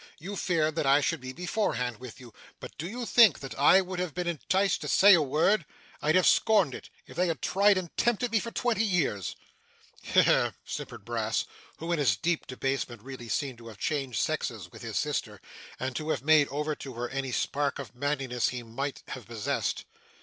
You feared that I should be beforehand with you. But do you think that I would have been enticed to say a word! I'd have scorned it, if they had tried and tempted me for twenty years.' 'He he!' simpered Brass, who, in his deep debasement, really seemed to have changed sexes with his sister, and to have made over to her any spark of manliness he might have possessed.